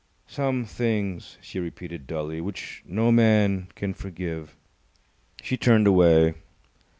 Some things," she repeated, dully, "which no man can forgive." She turned away.